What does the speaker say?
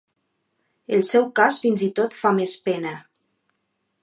El seu cas, fins i tot, fa més pena.